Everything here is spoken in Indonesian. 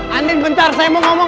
angin bentar saya mau ngomong